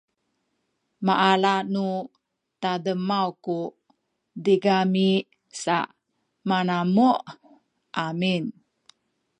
maala nu tademaw ku tigami sa manamuh amin